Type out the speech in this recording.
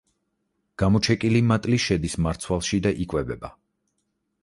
გამოჩეკილი მატლი შედის მარცვალში და იკვებება.